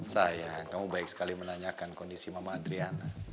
saya kamu baik sekali menanyakan kondisi mama adriana